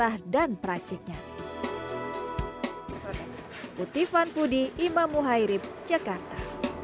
oleh karena itu kita rasa ini bisa berbeda beda tergantung daerah dan prasiknya